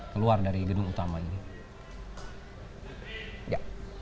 keluar dari gedung utama ini